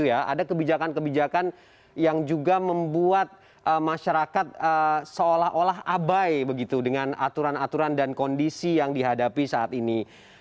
ada kebijakan kebijakan yang juga membuat masyarakat seolah olah abai begitu dengan aturan aturan dan kondisi yang dihadapi saat ini